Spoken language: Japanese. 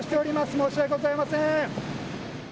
申し訳ございません。